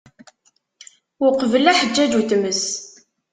Iqubel aḥeǧǧaju n tmes.